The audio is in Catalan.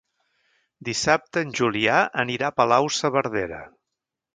Dissabte en Julià anirà a Palau-saverdera.